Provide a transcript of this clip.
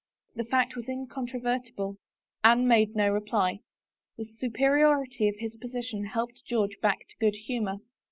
The fact was incontrovertible. Anne made no reply. The superiority of his position helped George back to good humor.